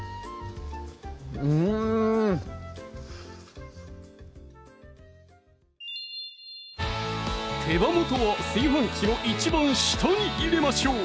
うん手羽元は炊飯器の一番下に入れましょう